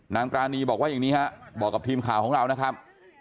ปรานีบอกว่าอย่างนี้ฮะบอกกับทีมข่าวของเรานะครับ